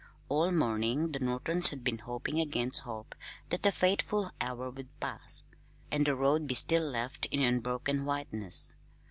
All morning the Nortons had been hoping against hope that the fateful hour would pass, and the road be still left in unbroken whiteness.